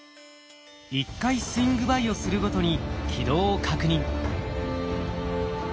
１回スイングバイをするごとに軌道を確認。